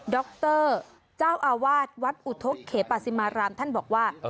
ดรเจ้าอาวาสวัดอุทธกเขปาซิมารามท่านบอกว่า